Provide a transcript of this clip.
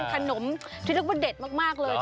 ขนมที่เรียกว่าเด็ดมากเลย